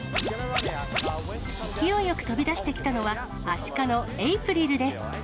勢いよく飛び出してきたのはアシカのエイプリルです。